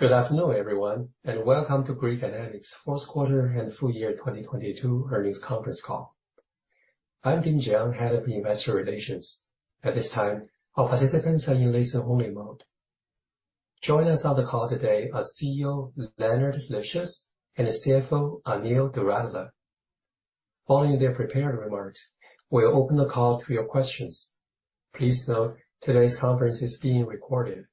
Good afternoon, everyone, and welcome to Grid Dynamics' fourth quarter and full year 2022 earnings conference call. I'm Bin Chiang, Head of Investor Relations. At this time, all participants are in listen-only mode. Joining us on the call today are CEO, Leonard Livschitz, and CFO, Anil Doradla. Following their prepared remarks, we'll open the call to your questions. Please note today's conference is being recorded.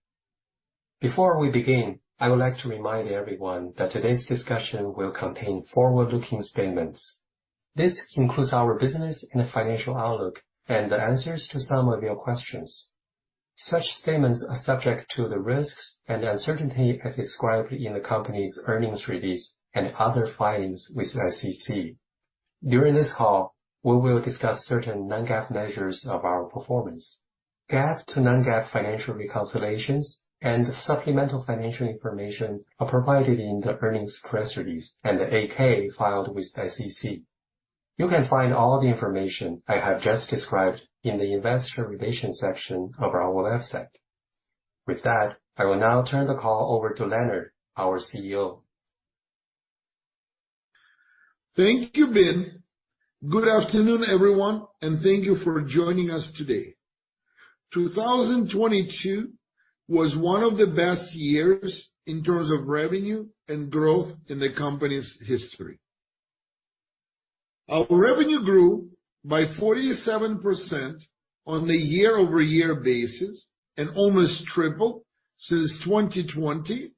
Before we begin, I would like to remind everyone that today's discussion will contain forward-looking statements. This includes our business and financial outlook and the answers to some of your questions. Such statements are subject to the risks and uncertainty as described in the company's earnings release and other filings with SEC. During this call, we will discuss certain non-GAAP measures of our performance. GAAP to non-GAAP financial reconciliations and supplemental financial information are provided in the earnings press release and the 8-K filed with SEC. You can find all the information I have just described in the investor relations section of our website. With that, I will now turn the call over to Leonard, our CEO. Thank you, Bin. Good afternoon, everyone, and thank you for joining us today. 2022 was one of the best years in terms of revenue and growth in the company's history. Our revenue grew by 47% on a year-over-year basis and almost tripled since 2020,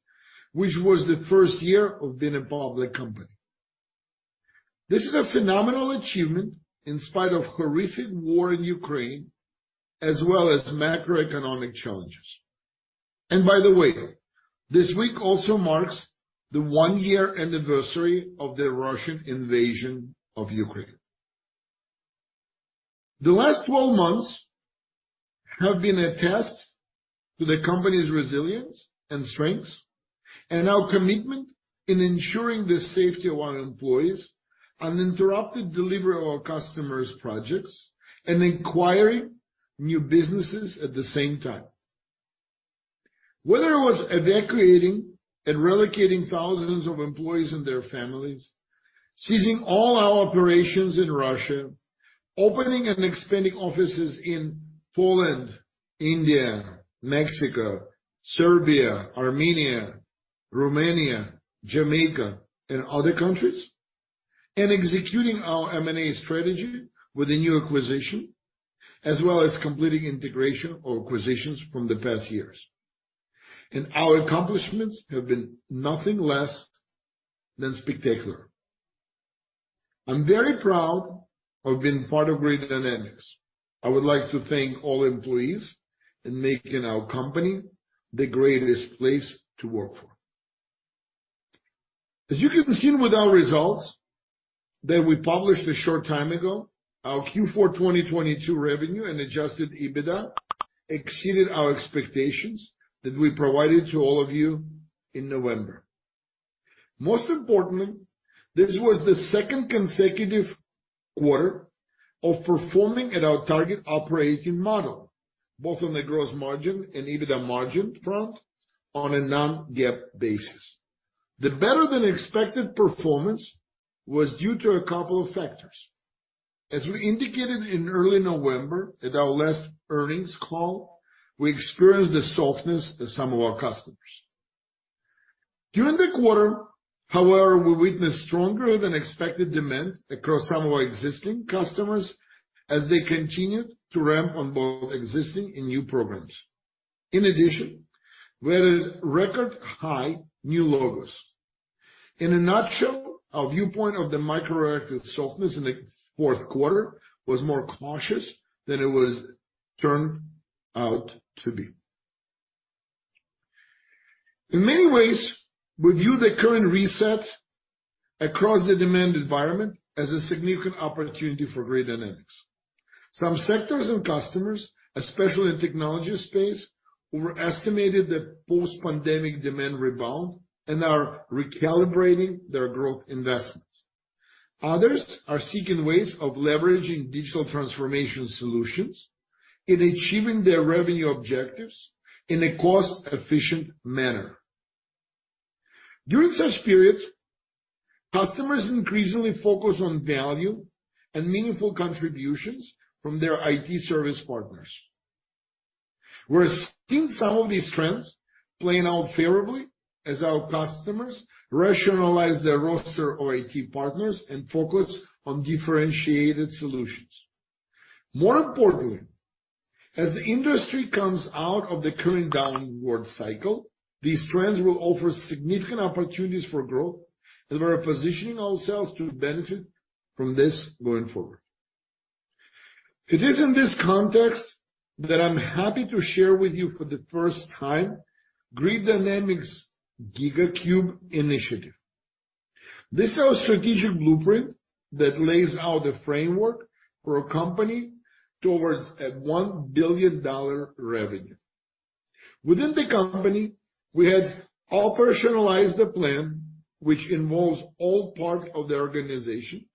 which was the first year of being a public company. This is a phenomenal achievement in spite of horrific war in Ukraine, as well as macroeconomic challenges. By the way, this week also marks the one-year anniversary of the Russian invasion of Ukraine. The last 12 months have been a test to the company's resilience and strengths, and our commitment in ensuring the safety of our employees, uninterrupted delivery of our customers' projects, and acquiring new businesses at the same time. Whether it was evacuating and relocating thousands of employees and their families, ceasing all our operations in Russia, opening and expanding offices in Poland, India, Mexico, Serbia, Armenia, Romania, Jamaica, and other countries, and executing our M&A strategy with a new acquisition, as well as completing integration or acquisitions from the past years. Our accomplishments have been nothing less than spectacular. I'm very proud of being part of Grid Dynamics. I would like to thank all employees in making our company the greatest place to work for. As you can see with our results that we published a short time ago, our Q4 2022 revenue and adjusted EBITDA exceeded our expectations that we provided to all of you in November. Most importantly, this was the second consecutive quarter of performing at our target operating model, both on the gross margin and EBITDA margin front on a non-GAAP basis. The better than expected performance was due to a couple of factors. As we indicated in early November at our last earnings call, we experienced the softness at some of our customers. During the quarter, however, we witnessed stronger than expected demand across some of our existing customers as they continued to ramp on both existing and new programs. We're at a record high new logos. In a nutshell, our viewpoint of the micro-reactive softness in the fourth quarter was more cautious than it turned out to be. In many ways, we view the current reset across the demand environment as a significant opportunity for Grid Dynamics. Some sectors and customers, especially in technology space, overestimated the post-pandemic demand rebound and are recalibrating their growth investments. Others are seeking ways of leveraging digital transformation solutions in achieving their revenue objectives in a cost-efficient manner. During such periods, customers increasingly focus on value and meaningful contributions from their IT service partners. We're seeing some of these trends playing out favorably as our customers rationalize their roster of IT partners and focus on differentiated solutions. More importantly, as the industry comes out of the current downward cycle, these trends will offer significant opportunities for growth, and we're positioning ourselves to benefit from this going forward. It is in this context that I'm happy to share with you for the first time Grid Dynamics' GigaCube initiative. This is our strategic blueprint that lays out the framework for a company towards a $1 billion revenue. Within the company, we have operationalized the plan, which involves all parts of the organization.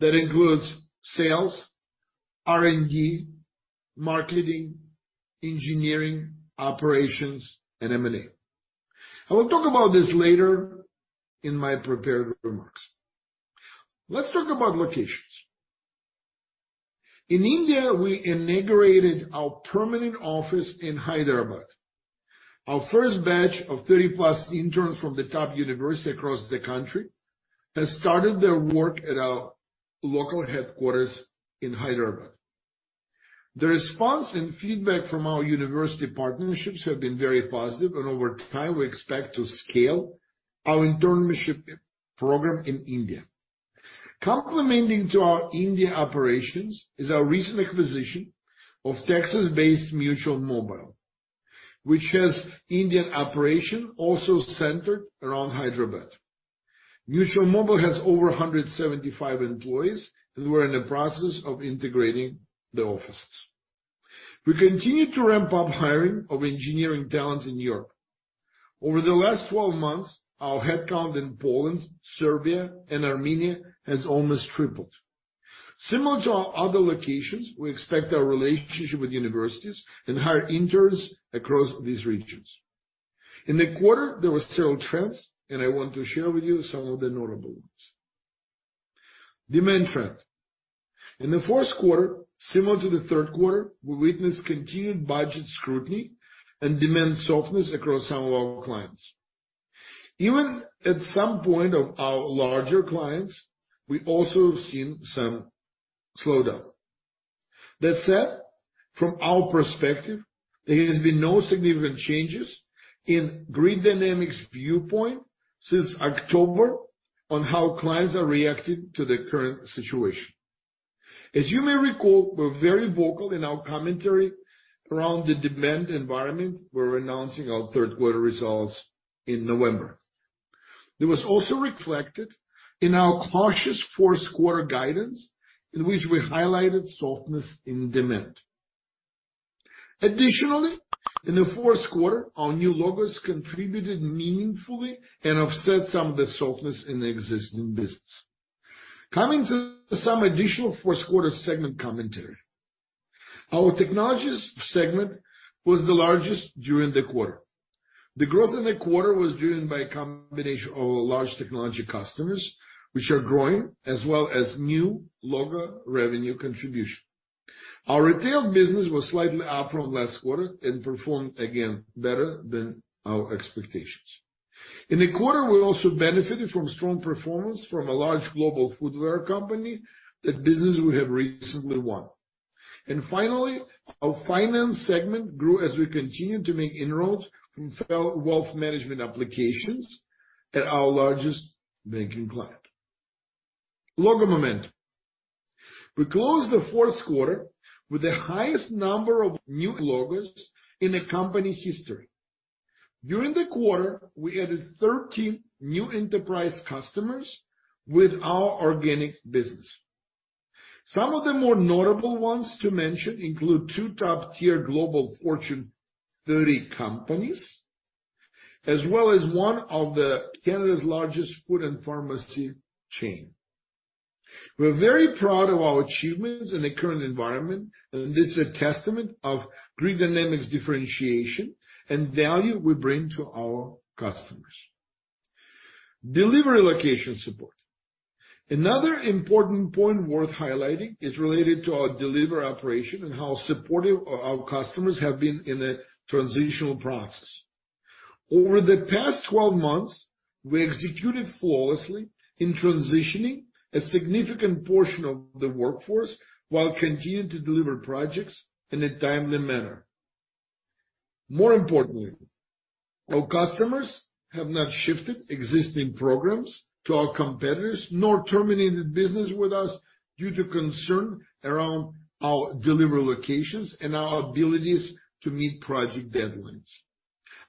That includes sales-R&D, marketing, engineering, operations, and M&A. I will talk about this later in my prepared remarks. Let's talk about locations. In India, we inaugurated our permanent office in Hyderabad. Our first batch of 30+ interns from the top university across the country has started their work at our local headquarters in Hyderabad. The response and feedback from our university partnerships have been very positive, and over time, we expect to scale our internship program in India. Complementing to our India operations is our recent acquisition of Texas-based Mutual Mobile, which has Indian operation also centered around Hyderabad. Mutual Mobile has over 175 employees, and we're in the process of integrating the offices. We continue to ramp up hiring of engineering talents in Europe. Over the last 12 months, our headcount in Poland, Serbia, and Armenia has almost tripled. Similar to our other locations, we expect our relationship with universities and hire interns across these regions. In the quarter, there were several trends, and I want to share with you some of the notable ones. Demand trend. In the fourth quarter, similar to the third quarter, we witnessed continued budget scrutiny and demand softness across some of our clients. Even at some point of our larger clients, we also have seen some slowdown. That said, from our perspective, there has been no significant changes in Grid Dynamics' viewpoint since October on how clients are reacting to the current situation. As you may recall, we're very vocal in our commentary around the demand environment. We're announcing our third-quarter results in November. It was also reflected in our cautious fourth quarter guidance, in which we highlighted softness in demand. Additionally, in the fourth quarter, our new logos contributed meaningfully and offset some of the softness in the existing business. Coming to some additional fourth quarter segment commentary. Our technologies segment was the largest during the quarter. The growth in the quarter was driven by a combination of our large technology customers, which are growing, as well as new logo revenue contribution. Our retail business was slightly up from last quarter and performed, again, better than our expectations. In the quarter, we also benefited from strong performance from a large global footwear company, the business we have recently won. Our finance segment grew as we continued to make inroads from wealth management applications at our largest banking client. Logo momentum. We closed the fourth quarter with the highest number of new logos in the company's history. During the quarter, we added 13 new enterprise customers with our organic business. Some of the more notable ones to mention include two top-tier global Fortune 30 companies, as well as one of the Canada's largest food and pharmacy chain. We're very proud of our achievements in the current environment. This is a testament of Grid Dynamics' differentiation and value we bring to our customers. Delivery location support. Another important point worth highlighting is related to our delivery operation and how supportive our customers have been in the transitional process. Over the past 12 months, we executed flawlessly in transitioning a significant portion of the workforce while continuing to deliver projects in a timely manner. More importantly, our customers have not shifted existing programs to our competitors, nor terminated business with us due to concern around our delivery locations and our abilities to meet project deadlines.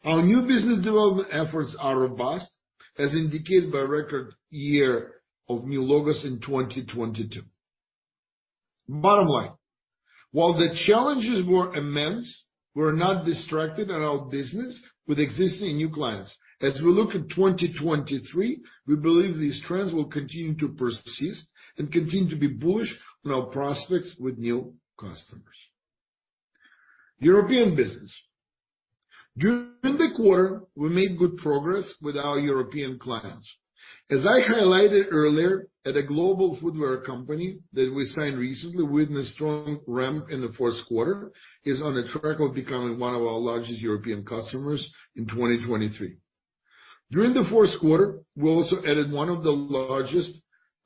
Our new business development efforts are robust, as indicated by record year of new logos in 2022. Bottom line, while the challenges were immense, we're not distracted in our business with existing new clients. As we look at 2023, we believe these trends will continue to persist and continue to be bullish on our prospects with new customers. European business. During the quarter, we made good progress with our European clients. As I highlighted earlier, at a global footwear company that we signed recently, we witnessed strong ramp in the fourth quarter, is on a track of becoming one of our largest European customers in 2023. During the fourth quarter, we also added one of the largest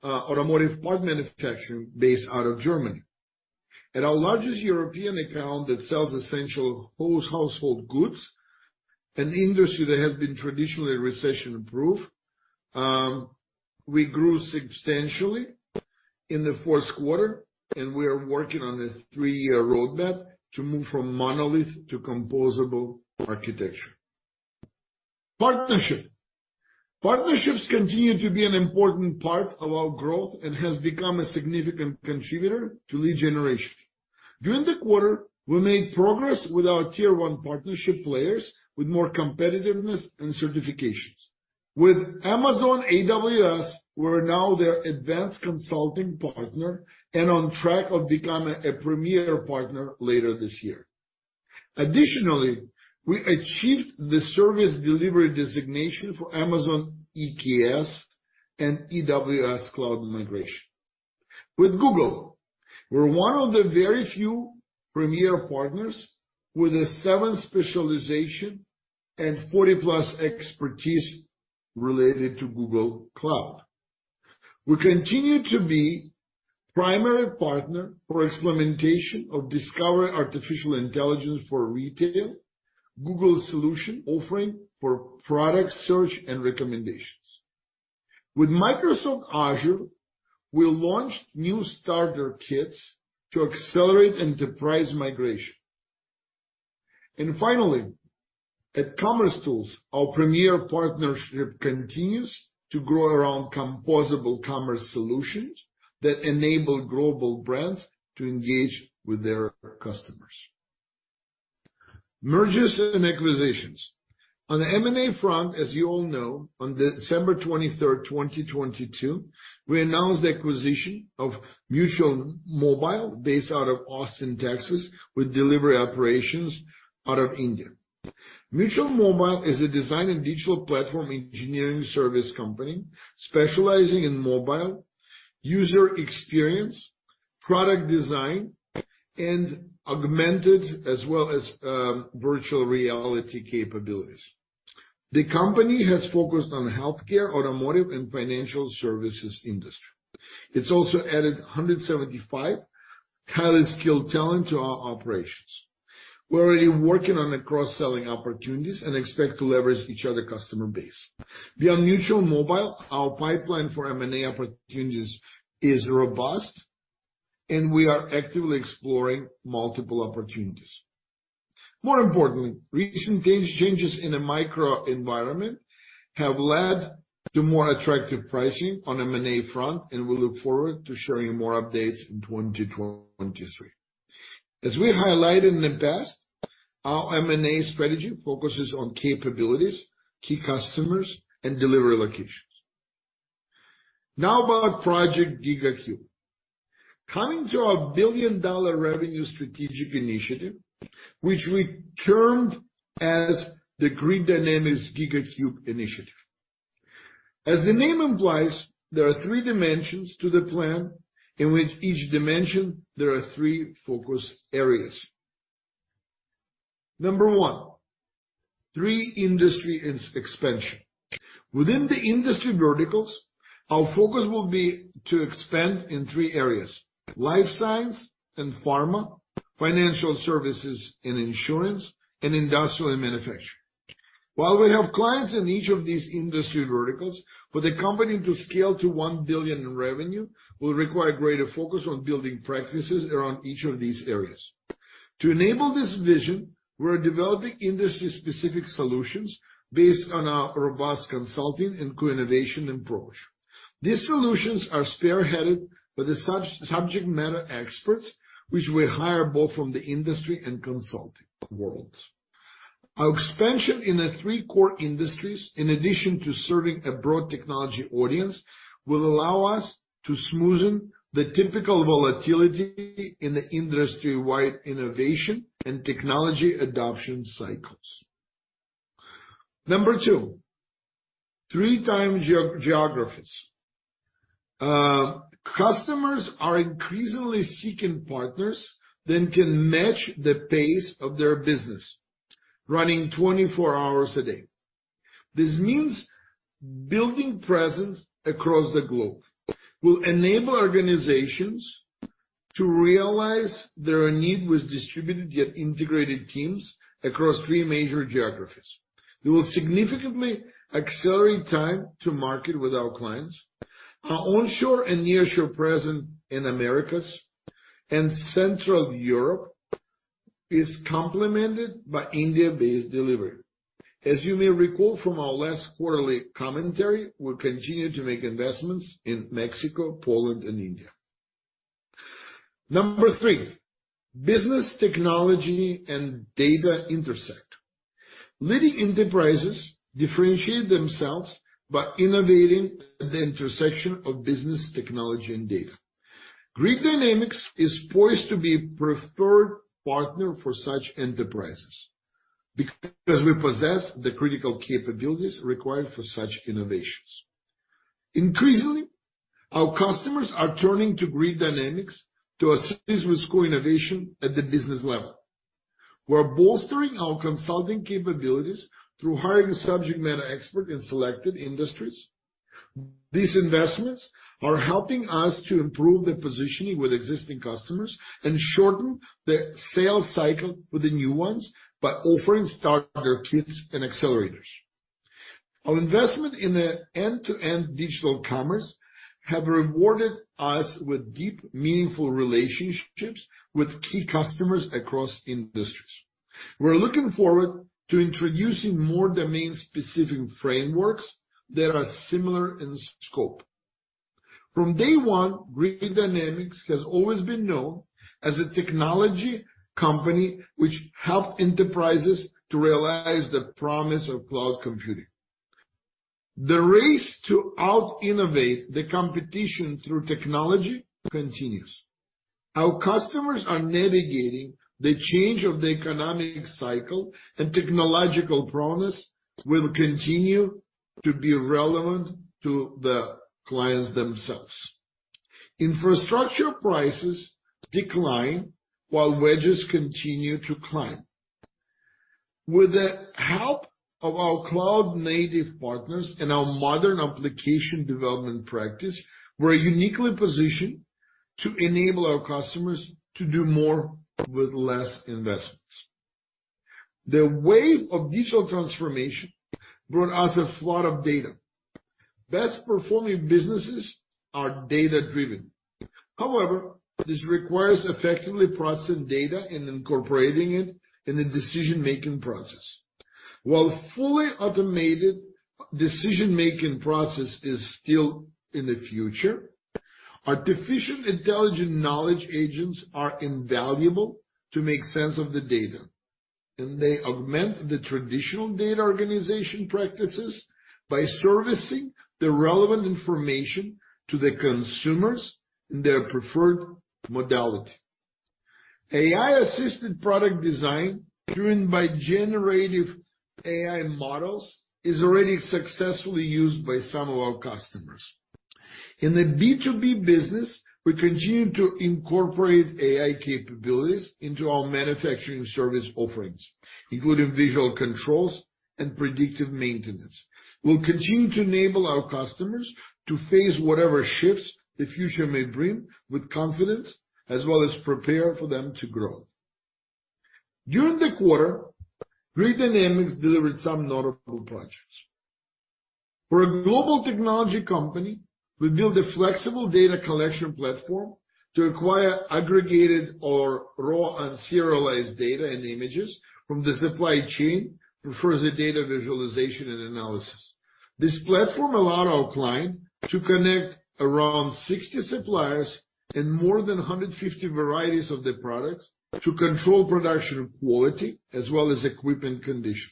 automotive part manufacturer based out of Germany. At our largest European account that sells essential whole household goods, an industry that has been traditionally recession-proof, we grew substantially in the fourth quarter. We are working on a three-year roadmap to move from monolith to composable architecture. Partnership. Partnerships continue to be an important part of our growth and has become a significant contributor to lead generation. During the quarter, we made progress with our tier one partnership players with more competitiveness and certifications. With Amazon AWS, we're now their advanced consulting partner and on track of becoming a premier partner later this year. Additionally, we achieved the service delivery designation for Amazon EKS and AWS cloud migration. With Google, we're one of the very few premier partners with a seven specialization and 40+ expertise related to Google Cloud. We continue to be primary partner for implementation of Discovery AI for Retail, Google Cloud solution offering for product search and recommendations. With Microsoft Azure, we launched new starter kits to accelerate enterprise migration. Finally, at commercetools, our premier partnership continues to grow around composable commerce solutions that enable global brands to engage with their customers. Mergers and acquisitions. On the M&A front, as you all know, on December 23, 2022, we announced the acquisition of Mutual Mobile based out of Austin, Texas, with delivery operations out of India. Mutual Mobile is a design and digital platform engineering service company specializing in mobile, user experience, product design, and augmented as well as virtual reality capabilities. The company has focused on healthcare, automotive, and financial services industry. It's also added 175 highly skilled talent to our operations. We're already working on the cross-selling opportunities and expect to leverage each other customer base. Beyond Mutual Mobile, our pipeline for M&A opportunities is robust, and we are actively exploring multiple opportunities. More importantly, recent changes in the microenvironment have led to more attractive pricing on M&A front, and we look forward to sharing more updates in 2023. As we highlighted in the past, our M&A strategy focuses on capabilities, key customers, and delivery locations. Now about Project GigaCube. Coming to our $1 billion revenue strategic initiative, which we termed as the Grid Dynamics GigaCube initiative. As the name implies, there are three dimensions to the plan, in which each dimension there are three focus areas. Number one, three industry expansion. Within the industry verticals, our focus will be to expand in three areas: life science and pharma, financial services and insurance, and industrial manufacturing. While we have clients in each of these industry verticals, for the company to scale to $1 billion in revenue will require greater focus on building practices around each of these areas. To enable this vision, we're developing industry-specific solutions based on our robust consulting and co-innovation approach. These solutions are spearheaded by the subject matter experts, which we hire both from the industry and consulting worlds. Our expansion in the three core industries, in addition to serving a broad technology audience, will allow us to smoothen the typical volatility in the industry-wide innovation and technology adoption cycles. Number two, three-time geographies. Customers are increasingly seeking partners that can match the pace of their business, running 24 hours a day. This means building presence across the globe will enable organizations to realize their need with distributed yet integrated teams across three major geographies. It will significantly accelerate time to market with our clients. Our onshore and nearshore presence in Americas and Central Europe is complemented by India-based delivery. As you may recall from our last quarterly commentary, we continue to make investments in Mexico, Poland, and India. Number three, business technology and data intersect. Leading enterprises differentiate themselves by innovating at the intersection of business technology and data. Grid Dynamics is poised to be preferred partner for such enterprises because we possess the critical capabilities required for such innovations. Increasingly, our customers are turning to Grid Dynamics to assist with co-innovation at the business level. We're bolstering our consulting capabilities through hiring subject matter experts in selected industries. These investments are helping us to improve the positioning with existing customers and shorten the sales cycle with the new ones by offering starter kits and accelerators. Our investment in the end-to-end digital commerce have rewarded us with deep, meaningful relationships with key customers across industries. We're looking forward to introducing more domain-specific frameworks that are similar in scope. From day one, Grid Dynamics has always been known as a technology company which help enterprises to realize the promise of cloud computing. The race to out-innovate the competition through technology continues. Our customers are navigating the change of the economic cycle. Technological promise will continue to be relevant to the clients themselves. Infrastructure prices decline while wages continue to climb. With the help of our cloud-native partners and our modern application development practice, we're uniquely positioned to enable our customers to do more with less investments. The wave of digital transformation brought us a flood of data. Best-performing businesses are data-driven. However, this requires effectively processing data and incorporating it in the decision-making process. While fully automated decision-making process is still in the future, artificial intelligent knowledge agents are invaluable to make sense of the data, and they augment the traditional data organization practices by servicing the relevant information to the consumers in their preferred modality. AI-assisted product design driven by generative AI models is already successfully used by some of our customers. In the B2B business, we continue to incorporate AI capabilities into our manufacturing service offerings, including visual controls and predictive maintenance. We'll continue to enable our customers to face whatever shifts the future may bring with confidence, as well as prepare for them to grow. During the quarter, Grid Dynamics delivered some notable projects. For a global technology company, we built a flexible data collection platform to acquire aggregated or raw unserialized data and images from the supply chain for further data visualization and analysis. This platform allowed our client to connect around 60 suppliers and more than 150 varieties of their products to control production quality as well as equipment condition.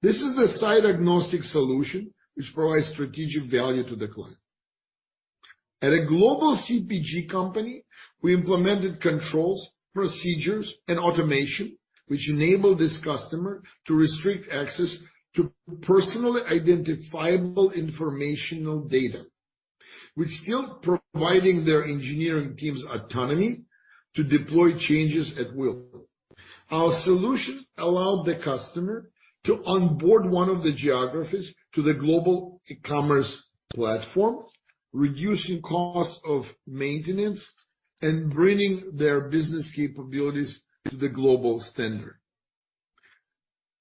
This is a site-agnostic solution which provides strategic value to the client. At a global CPG company, we implemented controls, procedures, and automation which enabled this customer to restrict access to personally identifiable informational data, while still providing their engineering teams autonomy to deploy changes at will. Our solution allowed the customer to onboard one of the geographies to the global e-commerce platform, reducing costs of maintenance and bringing their business capabilities to the global standard.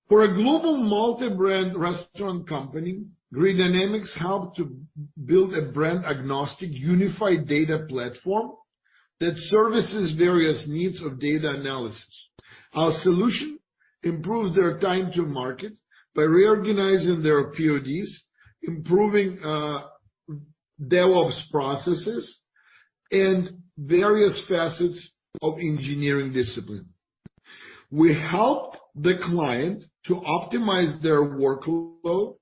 For a global multi-brand restaurant company, Grid Dynamics helped to build a brand-agnostic unified data platform that services various needs of data analysis. Our solution improves their time to market by reorganizing their PODs, improving DevOps processes and various facets of engineering discipline. We helped the client to optimize their workload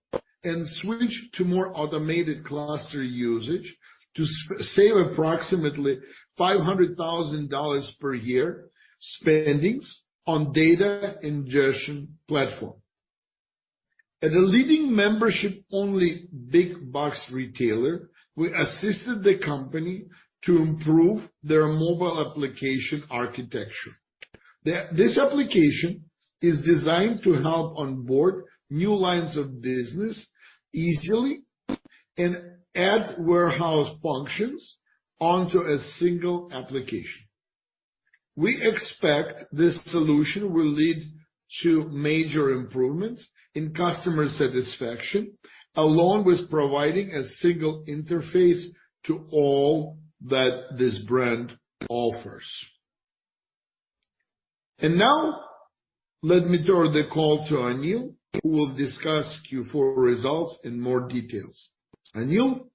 and switch to more automated cluster usage to save approximately $500,000 per year spendings on data ingestion platform. At a leading membership-only big box retailer, we assisted the company to improve their mobile application architecture. This application is designed to help onboard new lines of business easily and add warehouse functions onto a single application. We expect this solution will lead to major improvements in customer satisfaction, along with providing a single interface to all that this brand offers. Now, let me turn the call to Anil, who will discuss Q4 results in more details. Anil?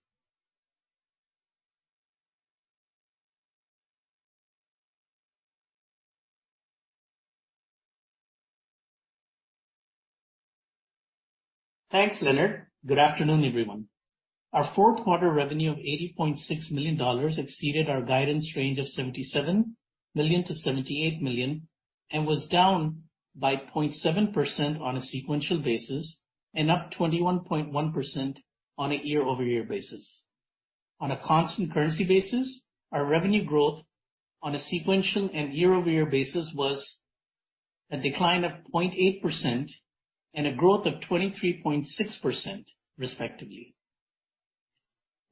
Thanks, Leonard. Good afternoon, everyone. Our fourth quarter revenue of $80.6 million exceeded our guidance range of $77 million-$78 million, was down by 0.7% on a sequential basis and up 21.1% on a year-over-year basis. On a constant currency basis, our revenue growth on a sequential and year-over-year basis was a decline of 0.8% and a growth of 23.6%, respectively.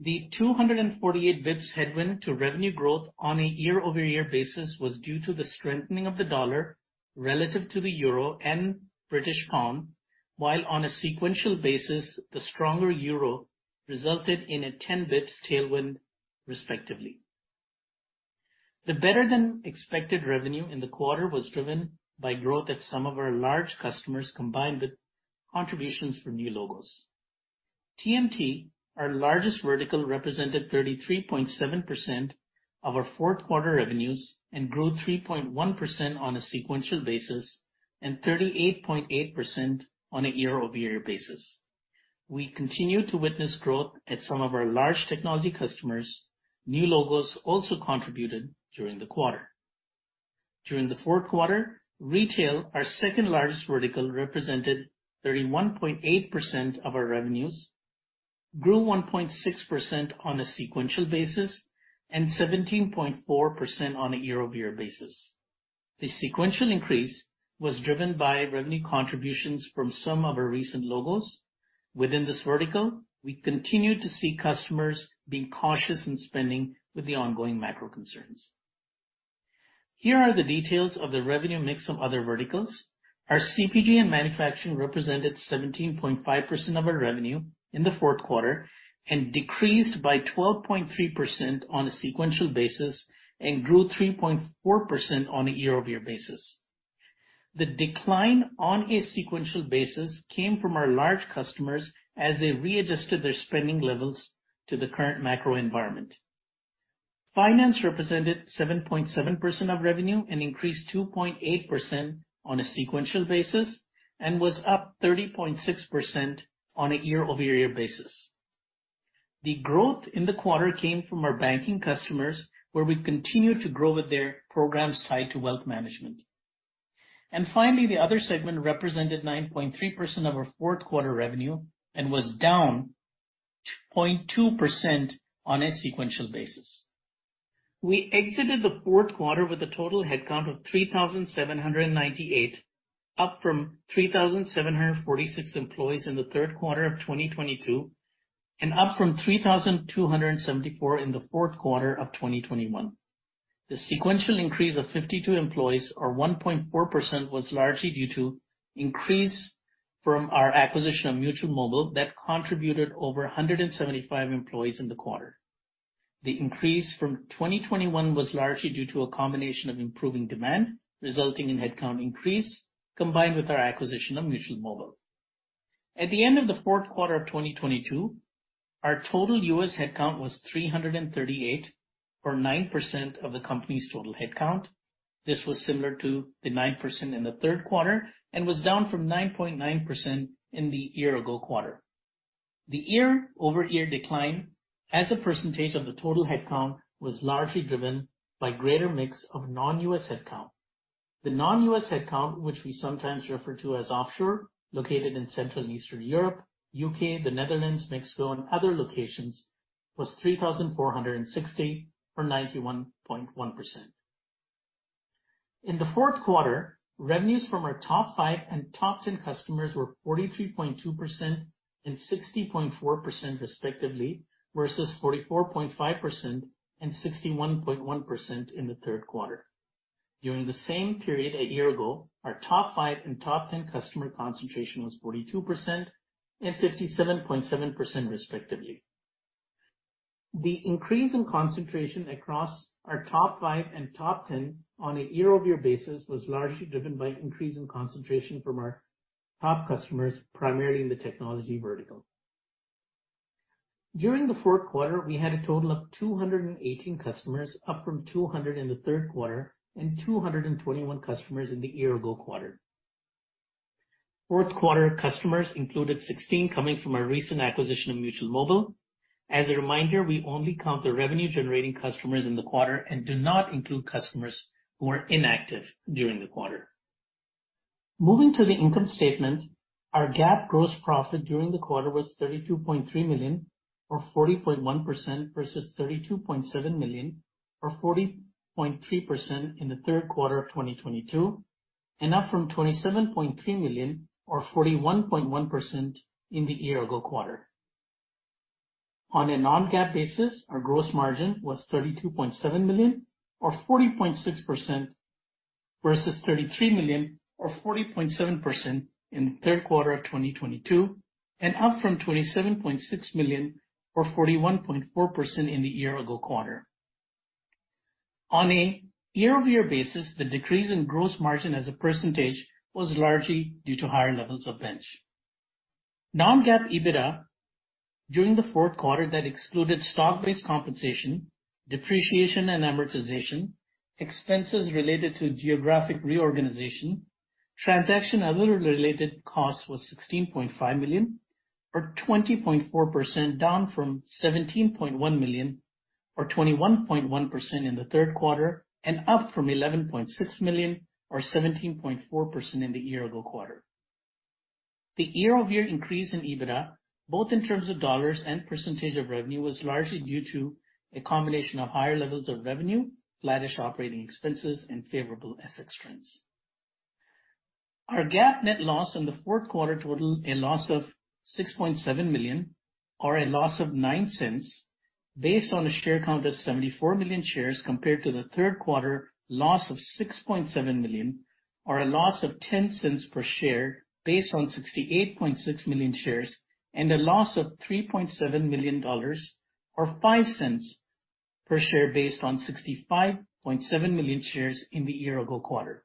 The 248 basis points headwind to revenue growth on a year-over-year basis was due to the strengthening of the dollar relative to the euro and British pound, while on a sequential basis, the stronger euro resulted in a 10 basis points tailwind, respectively. The better-than-expected revenue in the quarter was driven by growth at some of our large customers, combined with contributions from new logos. TMT, our largest vertical, represented 33.7% of our fourth quarter revenues and grew 3.1% on a sequential basis and 38.8% on a year-over-year basis. We continue to witness growth at some of our large technology customers. New logos also contributed during the quarter. During the fourth quarter, retail, our second-largest vertical, represented 31.8% of our revenues, grew 1.6% on a sequential basis and 17.4% on a year-over-year basis. The sequential increase was driven by revenue contributions from some of our recent logos. Within this vertical, we continue to see customers being cautious in spending with the ongoing macro concerns. Here are the details of the revenue mix of other verticals. Our CPG and manufacturing represented 17.5% of our revenue in the fourth quarter and decreased by 12.3% on a sequential basis and grew 3.4% on a year-over-year basis. The decline on a sequential basis came from our large customers as they readjusted their spending levels to the current macro environment. Finance represented 7.7% of revenue and increased 2.8% on a sequential basis and was up 30.6% on a year-over-year basis. The growth in the quarter came from our banking customers, where we continue to grow with their programs tied to wealth management. Finally, the other segment represented 9.3% of our fourth quarter revenue and was down 0.2% on a sequential basis. We exited the fourth quarter with a total headcount of 3,798, up from 3,746 employees in the third quarter of 2022, and up from 3,274 in the fourth quarter of 2021. The sequential increase of 52 employees or 1.4% was largely due to increase from our acquisition of Mutual Mobile that contributed over 175 employees in the quarter. The increase from 2021 was largely due to a combination of improving demand, resulting in headcount increase combined with our acquisition of Mutual Mobile. At the end of the fourth quarter of 2022, our total U.S. headcount was 338, or 9% of the company's total headcount. This was similar to the 9% in the third quarter and was down from 9.9% in the year-ago quarter. The year-over-year decline as a percentage of the total headcount was largely driven by greater mix of non-U.S. headcount. The non-U.S. headcount, which we sometimes refer to as offshore, located in Central and Eastern Europe, U.K., the Netherlands, Mexico, and other locations, was 3,460, or 91.1%. In the fourth quarter, revenues from our top five and top 10 customers were 43.2% and 60.4% respectively versus 44.5% and 61.1% in the third quarter. During the same period a year ago, our top five and top 10 customer concentration was 42% and 57.7% respectively. The increase in concentration across our top five and top 10 on a year-over-year basis was largely driven by increase in concentration from our top customers, primarily in the technology vertical. During the fourth quarter, we had a total of 218 customers, up from 200 in the third quarter and 221 customers in the year-ago quarter. Fourth quarter customers included 16 coming from our recent acquisition of Mutual Mobile. As a reminder, we only count the revenue-generating customers in the quarter and do not include customers who are inactive during the quarter. Moving to the income statement, our GAAP gross profit during the quarter was $32.3 million or 40.1% versus $32.7 million or 40.3% in the third quarter of 2022, and up from $27.3 million or 41.1% in the year-ago quarter. On a non-GAAP basis, our gross margin was $32.7 million or 40.6% versus $33 million or 40.7% in the third quarter of 2022, and up from $27.6 million or 41.4% in the year-ago quarter. On a year-over-year basis, the decrease in gross margin as a percentage was largely due to higher levels of bench. Non-GAAP EBITDA during the fourth quarter that excluded stock-based compensation, depreciation and amortization, expenses related to geographic reorganization, transaction and other related costs was $16.5 million or 20.4%, down from $17.1 million or 21.1% in the third quarter and up from $11.6 million or 17.4% in the year-ago quarter. The year-over-year increase in EBITDA, both in terms of dollars and percentage of revenue, was largely due to a combination of higher levels of revenue, flattish operating expenses, and favorable FX trends. Our GAAP net loss in the fourth quarter totaled a loss of $6.7 million or a loss of $0.09 based on a share count of 74 million shares compared to the third quarter loss of $6.7 million or a loss of $0.10 per share based on 68.6 million shares and a loss of $3.7 million or $0.05 per share based on 65.7 million shares in the year-ago quarter.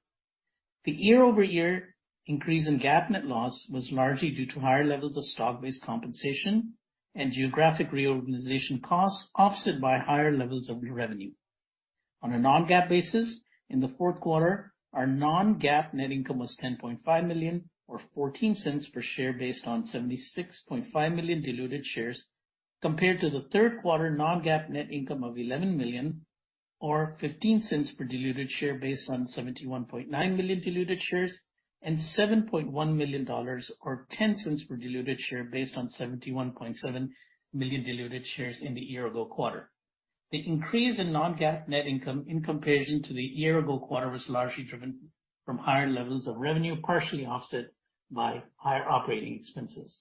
The year-over-year increase in GAAP net loss was largely due to higher levels of stock-based compensation and geographic reorganization costs, offset by higher levels of revenue. On a non-GAAP basis, in the fourth quarter, our non-GAAP net income was $10.5 million or $0.14 per share based on 76.5 million diluted shares, compared to the third quarter non-GAAP net income of $11 million or $0.15 per diluted share based on 71.9 million diluted shares, and $7.1 million or $0.10 per diluted share based on 71.7 million diluted shares in the year-ago quarter. The increase in non-GAAP net income in comparison to the year-ago quarter was largely driven from higher levels of revenue, partially offset by higher operating expenses.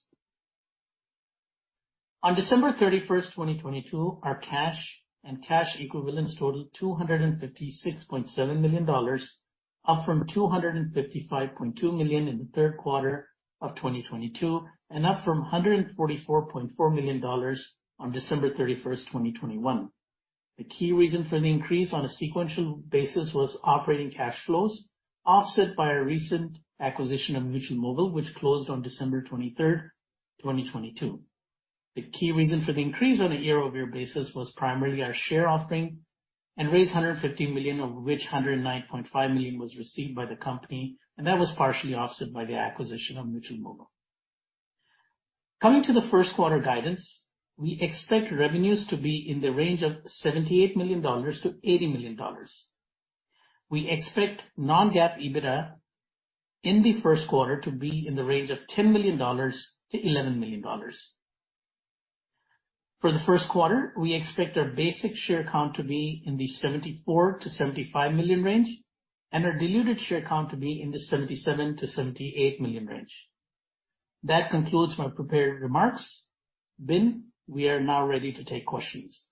On December 31, 2022, our cash and cash equivalents totaled $256.7 million, up from $255.2 million in third quarter 2022, and up from $144.4 million on December 31, 2021. The key reason for the increase on a sequential basis was operating cash flows, offset by our recent acquisition of Mutual Mobile, which closed on December 23, 2022. The key reason for the increase on a year-over-year basis was primarily our share offering, and raised $150 million of which $109.5 million was received by the company, and that was partially offset by the acquisition of Mutual Mobile. Coming to first quarter guidance, we expect revenues to be in the range of $78 million-$80 million. We expect non-GAAP EBITDA in the first quarter to be in the range of $10 million-$11 million. For the first quarter, we expect our basic share count to be in the 74 million-75 million range, and our diluted share count to be in the 77 million-78 million range. That concludes my prepared remarks. Bin, we are now ready to take questions.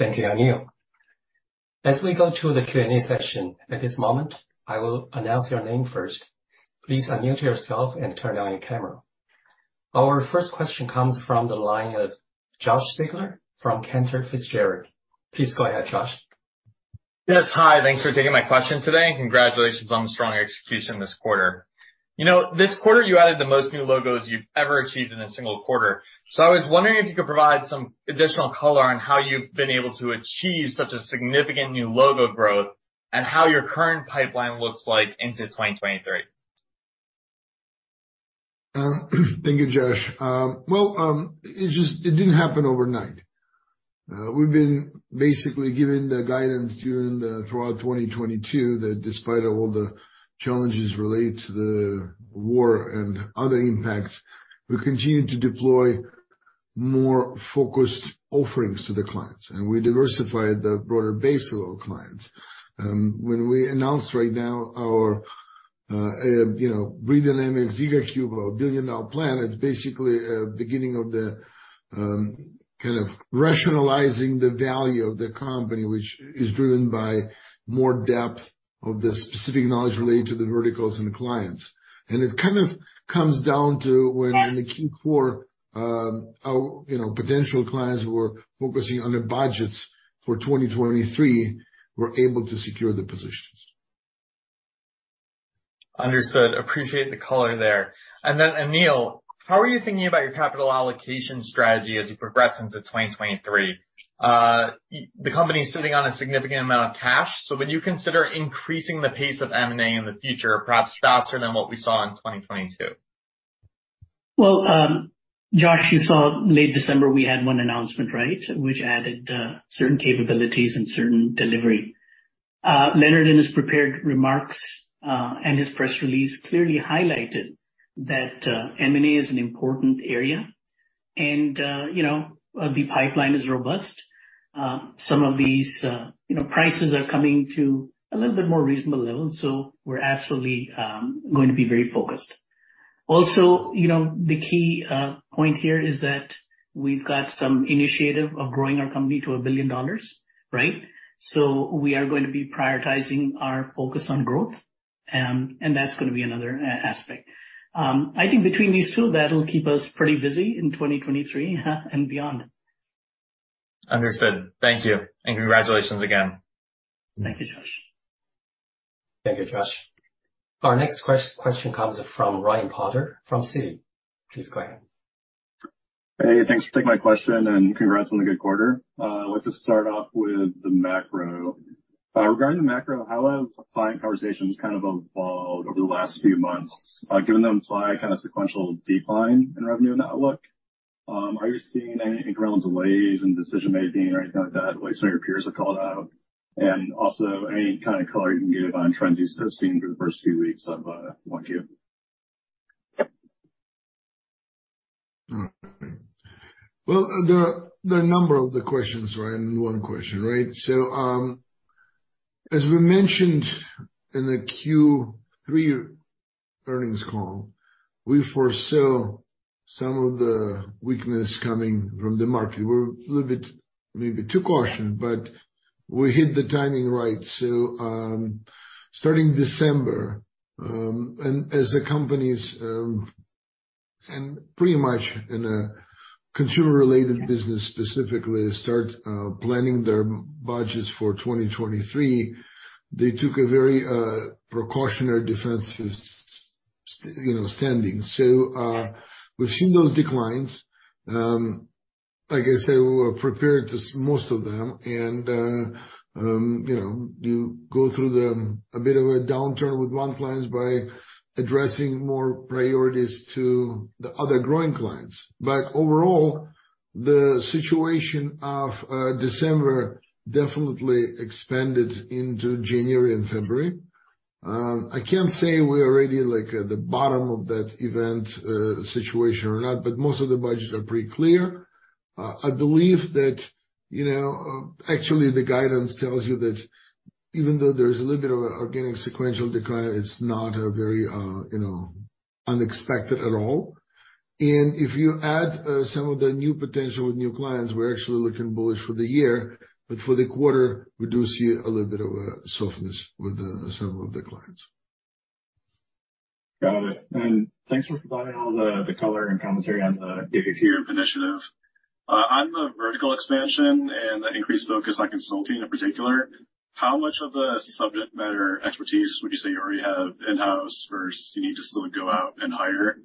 Thank you, Anil. As we go to the Q&A session, at this moment, I will announce your name first. Please unmute yourself and turn on your camera. Our first question comes from the line of Josh Siegler from Cantor Fitzgerald. Please go ahead, Josh. Yes. Hi. Thanks for taking my question today. Congratulations on the strong execution this quarter. You know, this quarter you added the most new logos you've ever achieved in a single quarter. I was wondering if you could provide some additional color on how you've been able to achieve such a significant new logo growth and how your current pipeline looks like into 2023. Thank you, Josh. Well, it didn't happen overnight. We've been basically giving the guidance throughout 2022 that despite all the challenges related to the war and other impacts, we continue to deploy more focused offerings to the clients, and we diversified the broader base of our clients. When we announced right now our, you know, Grid Dynamics GigaCube, our billion-dollar plan, it's basically a beginning of the kind of rationalizing the value of the company, which is driven by more depth of the specific knowledge related to the verticals and the clients. It kind of comes down to when the key core, you know, potential clients were focusing on their budgets for 2023, we're able to secure the positions. Understood. Appreciate the color there. Anil, how are you thinking about your capital allocation strategy as you progress into 2023? The company is sitting on a significant amount of cash, so would you consider increasing the pace of M&A in the future, perhaps faster than what we saw in 2022? Well, Josh, you saw late December, we had one announcement, right, which added certain capabilities and certain delivery. Leonard, in his prepared remarks and his press release, clearly highlighted that M&A is an important area. You know, the pipeline is robust. Some of these, you know, prices are coming to a little bit more reasonable level, so we're absolutely going to be very focused. Also, you know, the key point here is that we've got some initiative of growing our company to $1 billion, right? We are going to be prioritizing our focus on growth, and that's gonna be another aspect. I think between these two, that'll keep us pretty busy in 2023 and beyond. Understood. Thank you. Congratulations again. Thank you, Josh. Thank you, Josh. Our next question comes from Ryan Potter from Citi. Please go ahead. Hey, thanks for taking my question. Congrats on the good quarter. I'd like to start off with the macro. Regarding the macro, how have client conversations kind of evolved over the last few months, given the implied kind of sequential decline in revenue outlook? Are you seeing any real delays in decision-making or anything like that, like some of your peers have called out? Also, any kind of color you can give on tren`ds you've seen through the first few weeks of 1Q. All right. Well, there are a number of the questions, Ryan, in one question, right? As we mentioned in the Q3 earnings call, we foresaw some of the weakness coming from the market. We're a little bit, maybe too cautious, but we hit the timing right. Starting December, and as the companies, and pretty much in a consumer related business specifically start planning their budgets for 2023, they took a very precautionary defensive, you know, standing. We've seen those declines. I guess they were prepared to most of them and, you know, you go through the, a bit of a downturn with month lines by addressing more priorities to the other growing clients. Overall, the situation of December definitely expanded into January and February. I can't say we're already like at the bottom of that event, situation or not, but most of the budgets are pretty clear. I believe that, you know, actually the guidance tells you that even though there's a little bit of organic sequential decline, it's not a very, you know, unexpected at all. If you add some of the new potential with new clients, we're actually looking bullish for the year. For the quarter, we do see a little bit of a softness with the several of the clients. Got it. Thanks for providing all the color and commentary on the GigaCube initiative. On the vertical expansion and the increased focus on consulting in particular, how much of the subject matter expertise would you say you already have in-house versus you need to sort of go out and hire?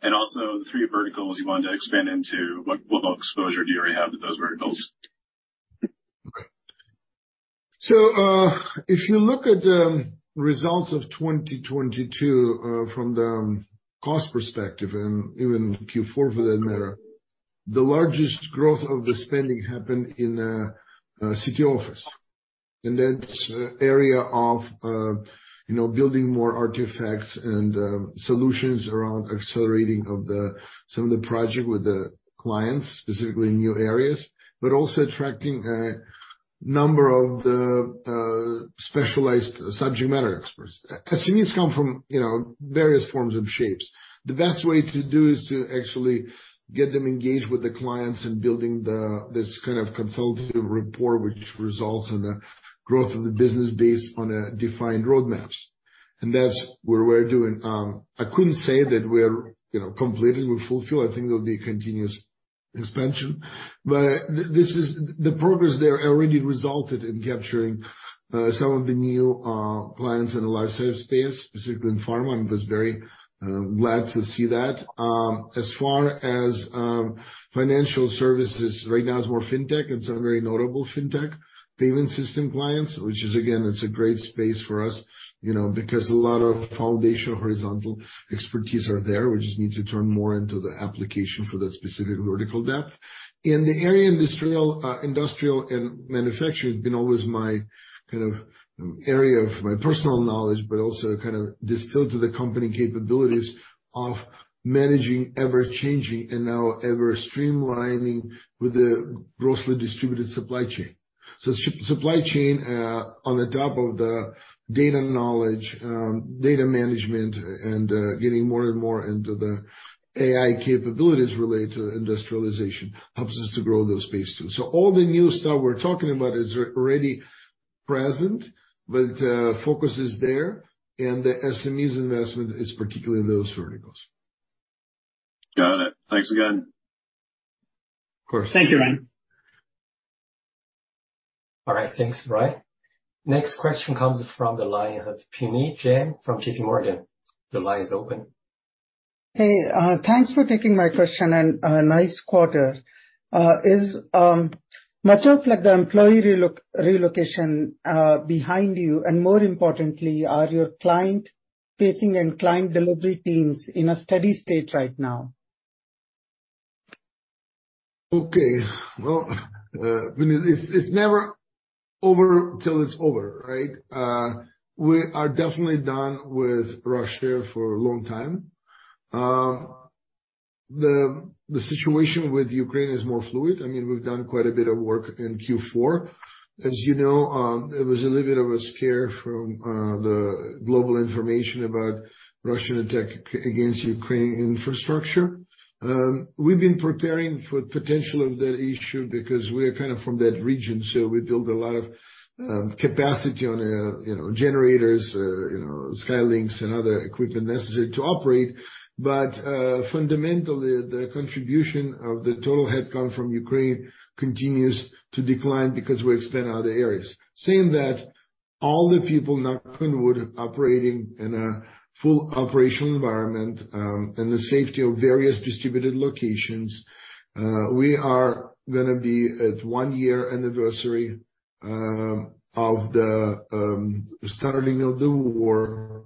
The three verticals you want to expand into, what exposure do you already have to those verticals? If you look at the results of 2022, from the cost perspective, and even Q4 for that matter, the largest growth of the spending happened in CTO office. That's area of, you know, building more artifacts and solutions around accelerating of the some of the project with the clients, specifically in new areas. Also attracting a number of the specialized subject matter experts. SMEs come from, you know, various forms of shapes. The best way to do is to actually get them engaged with the clients and building the, this kind of consultative rapport, which results in the growth of the business based on a defined roadmaps. That's what we're doing. I couldn't say that we're, you know, completely we're fulfilled. I think there'll be continuous expansion. This is. The progress there already resulted in capturing some of the new clients in the life science space, specifically in pharma, and was very glad to see that. As far as financial services, right now it's more fintech and some very notable fintech payment system clients, which is, again, it's a great space for us, you know, because a lot of foundational horizontal expertise are there. We just need to turn more into the application for that specific vertical depth. In the area industrial and manufacturing has been always my kind of area of my personal knowledge, but also kind of distilled to the company capabilities of managing ever-changing and now ever streamlining with the grossly distributed supply chain. Supply chain, on the top of the data knowledge, data management and getting more and more into the AI capabilities related to industrialization helps us to grow those space too. All the new stuff we're talking about is ready present, but focus is there, and the SMEs investment is particularly in those verticals. Got it. Thanks again. Of course. Thank you, Ryan. All right. Thanks, Ryan. Next question comes from the line of Puneet Jain from JPMorgan. Your line is open. Thanks for taking my question, and a nice quarter. Is much of like the employee relocation behind you? More importantly, are your client facing and client delivery teams in a steady state right now? Okay. Well, Puneet, it's never over till it's over, right? We are definitely done with Russia for a long time. The situation with Ukraine is more fluid. I mean, we've done quite a bit of work in Q4. As you know, there was a little bit of a scare from the global information about Russian attack against Ukraine infrastructure. We've been preparing for potential of that issue because we're kind of from that region, so we build a lot of capacity on, you know, generators, you know, Starlink and other equipment necessary to operate. Fundamentally, the contribution of the total headcount from Ukraine continues to decline because we expand other areas. Saying that, all the people knock on wood operating in a full operational environment, and the safety of various distributed locations, we are gonna be at one year anniversary of the starting of the war.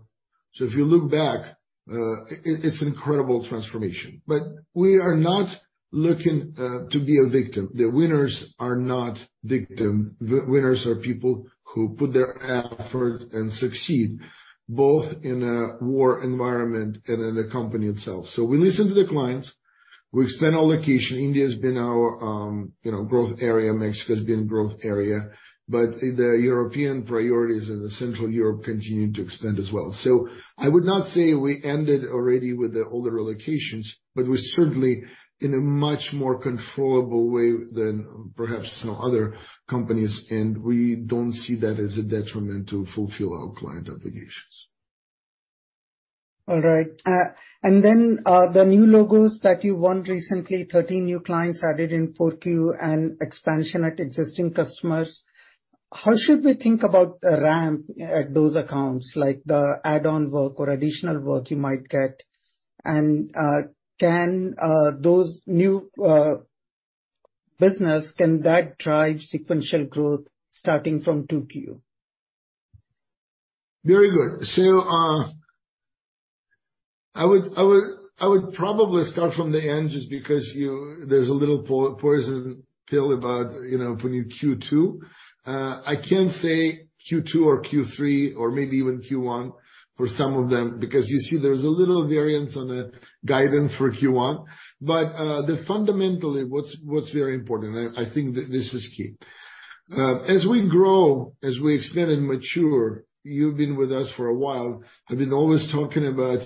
If you look back, it's an incredible transformation. We are not looking to be a victim. The winners are not victim. Winners are people who put their effort and succeed both in a war environment and in the company itself. We listen to the clients. We expand our location. India has been our, you know, growth area. Mexico has been growth area. The European priorities and the Central Europe continue to expand as well. I would not say we ended already with the older locations, but we're certainly in a much more controllable way than perhaps, you know, other companies, and we don't see that as a detriment to fulfill our client obligations. All right. The new logos that you won recently, 13 new clients added in 4Q and expansion at existing customers. How should we think about the ramp at those accounts, like the add-on work or additional work you might get? Can that drive sequential growth starting from 2Q? Very good. I would probably start from the end just because there's a little poison pill about, you know, for you Q2. I can't say Q2 or Q3 or maybe even Q1 for some of them, because you see there's a little variance on the guidance for Q1. Fundamentally what's very important, I think this is key. As we grow, as we expand and mature, you've been with us for a while. I've been always talking about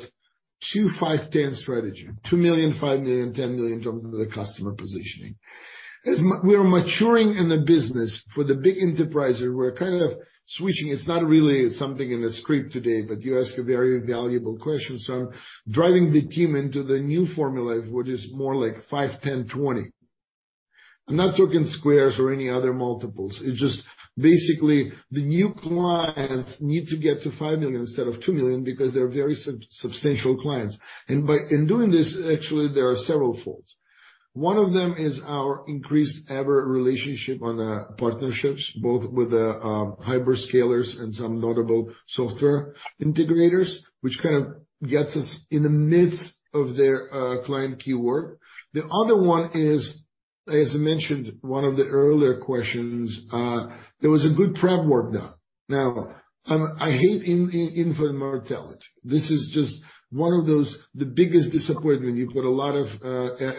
2-5-10 strategy, $2 million, $5 million, $10 million jobs into the customer positioning. As we are maturing in the business with a big enterprise, we're kind of switching. It's not really something in the script today, but you ask a very valuable question. I'm driving the team into the new formula, which is more like 5-10-20. I'm not talking squares or any other multiples. It's just basically the new clients need to get to $5 million instead of $2 million because they're very substantial clients. By doing this, actually, there are several folds. One of them is our increased average relationship on the partnerships, both with the hyperscalers and some notable software integrators, which kind of gets us in the midst of their client keyword. The other one is, as I mentioned, one of the earlier questions, there was a good prep work done. Now, I hate infertility. This is just one of those, the biggest disappointment. You put a lot of,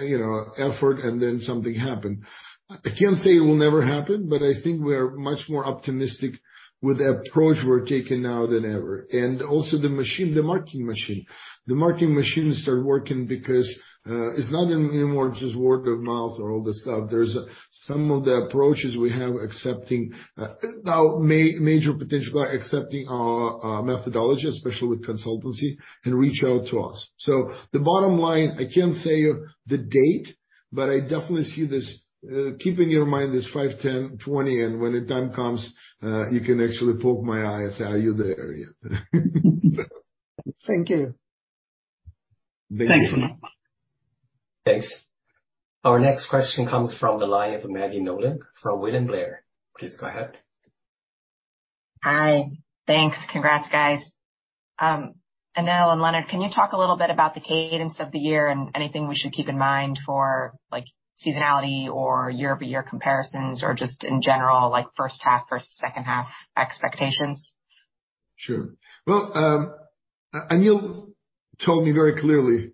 you know, effort, and then something happened. I can't say it will never happen, but I think we are much more optimistic with the approach we're taking now than ever. Also the machine, the marketing machine. The marketing machine start working because it's not anymore just word of mouth or all this stuff. There's some of the approaches we have accepting now major potential accepting our methodology, especially with consultancy, and reach out to us. The bottom line, I can't say the date, but I definitely see this keeping your mind is 5-10-20, and when the time comes, you can actually poke my eye and say, "Are you there yet? Thank you. Thank you. Thanks for that. Thanks. Our next question comes from the line of Maggie Nolan from William Blair. Please go ahead. Hi. Thanks. Congrats, guys. Anil and Leonard, can you talk a little bit about the cadence of the year and anything we should keep in mind for, like, seasonality or year-over-year comparisons or just in general, like first half or second half expectations? Sure. Well, Anil told me very clearly,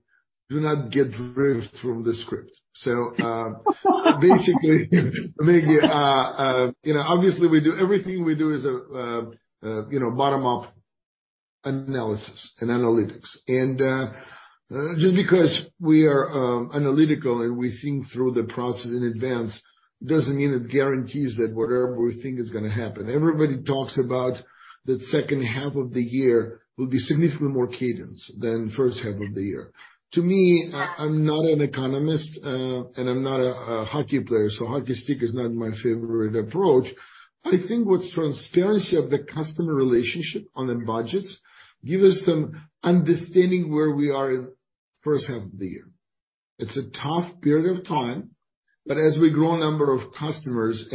"Do not get drift from the script." Basically, maybe, you know, obviously, we do everything we do is, you know, bottom-up analysis and analytics. Just because we are analytical and we think through the process in advance doesn't mean it guarantees that whatever we think is gonna happen. Everybody talks about the second half of the year will be significantly more cadence than first half of the year. To me, I'm not an economist, and I'm not a hockey player, hockey stick is not my favorite approach. I think what's transparency of the customer relationship on the budgets give us some understanding where we are in first half of the year. It's a tough period of time, as we grow number of customers,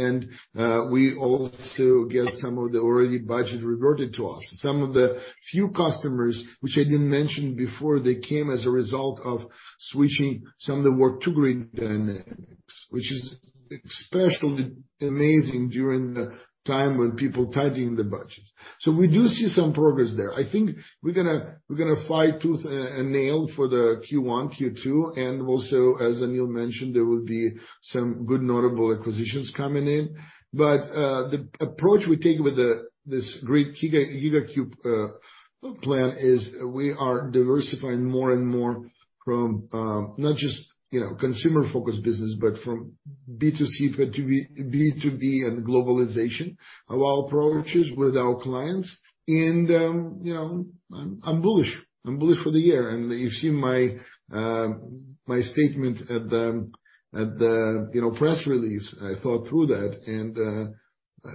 we also get some of the already budget reverted to us. Some of the few customers which I didn't mention before, they came as a result of switching some of the work to Grid Dynamics, which is especially amazing during the time when people tidying the budgets. We do see some progress there. I think we're gonna fight tooth and nail for the Q1, Q2, and also, as Anil mentioned, there will be some good notable acquisitions coming in. The approach we take with this great GigaCube plan is we are diversifying more and more from not just, you know, consumer-focused business, but from B2C to B2B and globalization of our approaches with our clients. You know, I'm bullish. I'm bullish for the year. You've seen my statement at the, at the, you know, press release. I thought through that.